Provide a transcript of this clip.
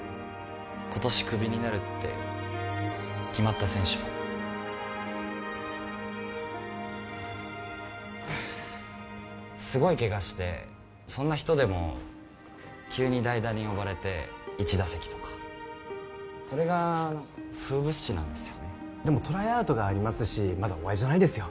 今年クビになるって決まった選手もすごいケガしてそんな人でも急に代打に呼ばれて１打席とかそれが風物詩なんですよねでもトライアウトがありますしまだ終わりじゃないですよ